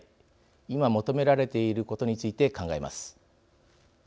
今、求められていることについて考えます。